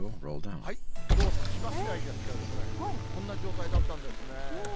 きょうの千葉市内ですけれどもね、こんな状態だったんですね。